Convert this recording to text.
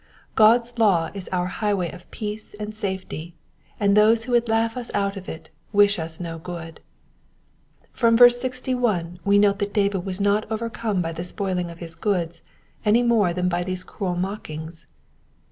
God^s law is our highway of peace and safety, and those who would laugh us out of it wish us no good. From verse 61 we note that David was not overcome by the spoiling of his goods any more than by these cruel mockings.